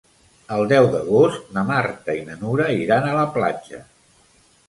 El deu d'agost na Marta i na Nura iran a la platja.